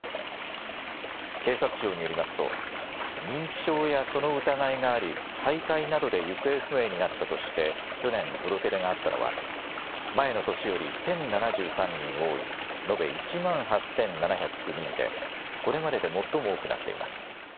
警察庁によりますと認知症やその疑いがありはいかいなどで行方不明になったとして去年、届け出があったのは前の年より１０７３人多い延べ１万８７０９人でこれまでで最も多くなっています。